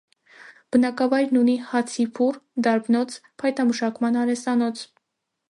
Բնակավայր ունի հացի փուռ, դարբնոց, փայտամշակման արհեստանոց։